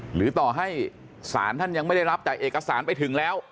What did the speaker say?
หรือต่อให้ศาลท่านยังไม่ได้รับแต่เอกสารไปถึงแล้ว